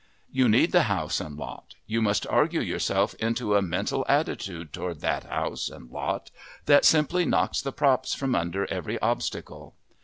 You need the house and lot; you must argue yourself into a mental attitude toward that house and lot that simply knocks the props from under every obstacle.